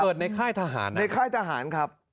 เกิดในค่ายทหาร